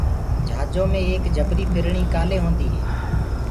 جھاجو مي ايڪ جبريٚ ڦرڻيٚ ڪآلي هونديٚ هي